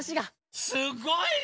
すごいね。